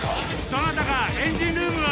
どなたかエンジンルームは？